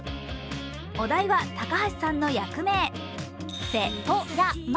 お題は高橋さんの役名、「せ・と・や・ま」。